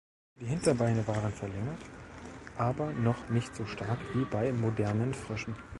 Die Hinterbeine waren verlängert, aber noch nicht so stark wie bei modernen Fröschen.